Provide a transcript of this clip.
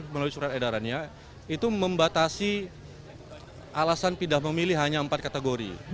melalui surat edarannya itu membatasi alasan pindah memilih hanya empat kategori